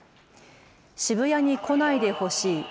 渋谷に来ないでほしい。